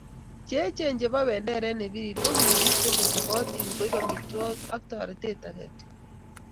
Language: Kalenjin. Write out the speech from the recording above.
Cheechen chebo benderet nebirir kokimitei kochobotin koib amitwogik ak toretet age tugul